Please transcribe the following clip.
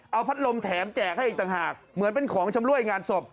เอาพัดลมแถมแจกให้อีกต่างหากเหมือนเป็นของชำรวยงานศพ